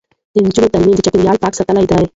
د نجونو تعلیم د چاپیریال پاک ساتل دي.